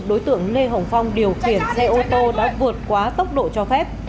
đối tượng lê hồng phong điều khiển xe ô tô đã vượt quá tốc độ cho phép